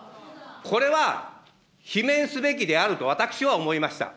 これは罷免すべきであると私は思いました。